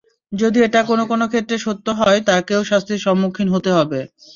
যদি এটা কোনো কোনো ক্ষেত্রে সত্য হয়, তাকেও শাস্তির সম্মুখীন হতে হবে।